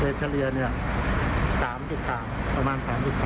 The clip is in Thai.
เอ็ดฉะเลียเนี่ย๓๓ประมาณ๓๓